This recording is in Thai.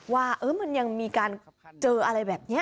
ว่ามันยังมีการเจออะไรแบบนี้